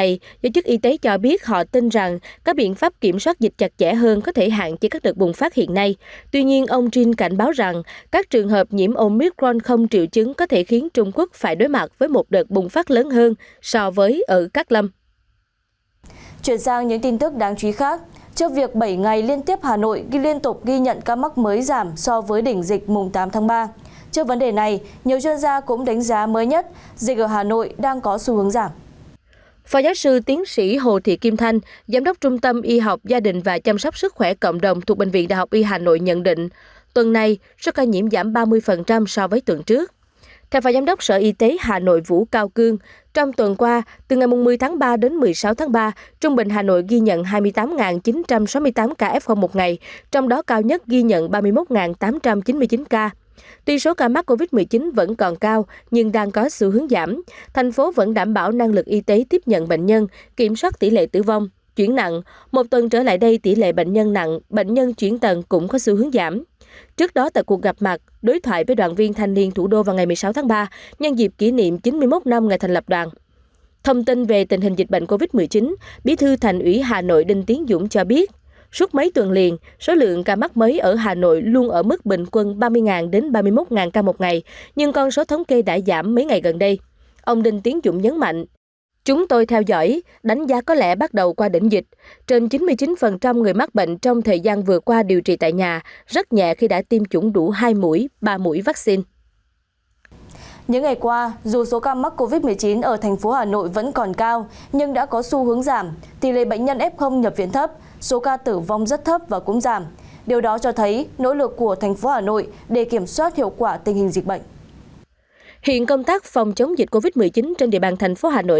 giới chức trung quốc tin rằng lợi ích mà chính sách không covid mang lại nhiều hơn cái giá phải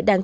trả